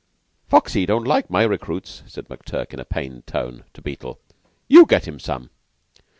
"Foxy don't like my recruits," said McTurk, in a pained tone, to Beetle. "You get him some."